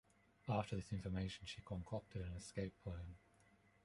After this information she concocted an escape plan.